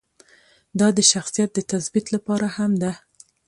دا د شخصیت د تثبیت لپاره هم ده.